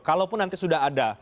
kalaupun nanti sudah ada